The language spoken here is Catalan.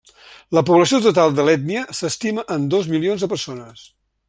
La població total de l'ètnia s'estima en dos milions de persones.